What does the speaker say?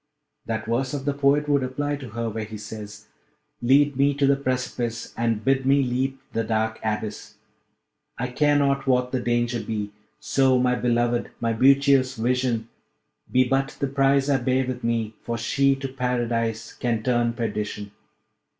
That verse of the poet would apply to her where he says: Lead me to the precipice, And bid me leap the dark abyss: I care not what the danger be, So my beloved, my beauteous vision, Be but the prize I bear with me, For she to Paradise can turn Perdition.